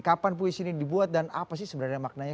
kapan puisi ini dibuat dan apa sih sebenarnya maknanya